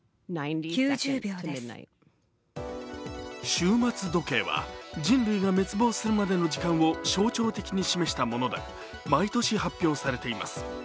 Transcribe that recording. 終末時計は、人類が滅亡するまでの時間を象徴的に示したもので毎年発表されています。